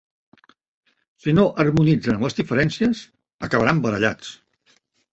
Si no harmonitzen les diferències, acabaran barallats.